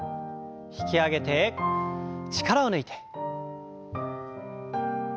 引き上げて力を抜いて。